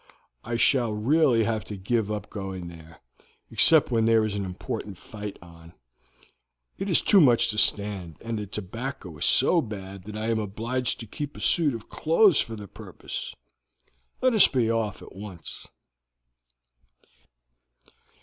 I shall really have to give up going there, except when there is an important fight on. It is too much to stand, and the tobacco is so bad that I am obliged to keep a suit of clothes for the purpose. Let us be off at once."